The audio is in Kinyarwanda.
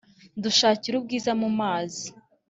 Dushakira ubwiza mu mazi